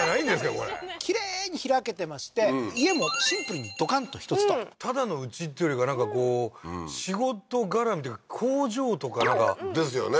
これきれいに開けてまして家もシンプルにドカンと１つとただのうちっていうよりかなんかこう仕事がらみっていうか工場とかなんかですよね